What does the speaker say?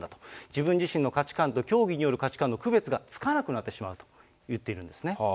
自分自身の価値観と教義による価値観の区別がつかなくなってしまうと言っているんですね。